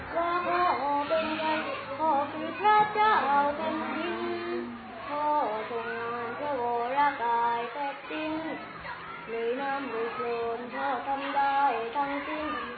มาวันนี้ต้องศึกต่อให้เข้าใจแล้วพอเป็นใครที่ขอคือกับเจ้าท่านจริง